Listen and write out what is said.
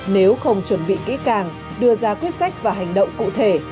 nếu không chuẩn bị kỹ càng đưa ra quyết sách và hành động cụ thể